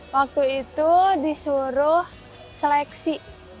waktu itu disuruh seleksi